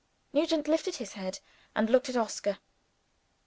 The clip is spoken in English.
Nugent lifted his head, and looked at Oscar.